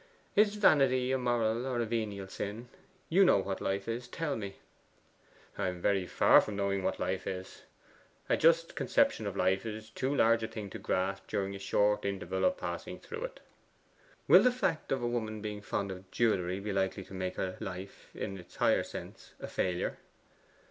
'Is vanity a mortal or a venial sin? You know what life is: tell me.' 'I am very far from knowing what life is. A just conception of life is too large a thing to grasp during the short interval of passing through it.' 'Will the fact of a woman being fond of jewellery be likely to make her life, in its higher sense, a failure?